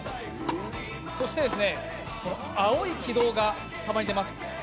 そして、青い軌道がたまに出ます。